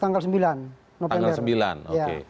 tanggal sembilan oke